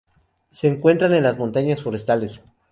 Se encuentran en las montañas forestales.